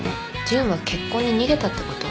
純は結婚に逃げたってこと？